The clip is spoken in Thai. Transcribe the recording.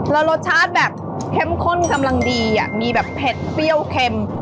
แล้วรสชาติแบบเข้มข้นกำลังดีมีแบบเผ็ดเปรี้ยวเค็ม